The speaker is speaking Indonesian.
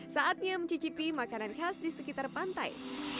saatnya mencicipi makanan khas di sekitar pantai